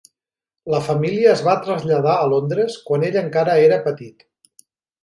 La família es va traslladar a Londres quan ell encara era petit.